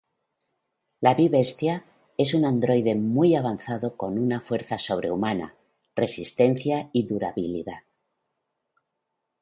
La Bi-Bestia es un androide muy avanzado con una fuerza sobrehumana, resistencia y durabilidad.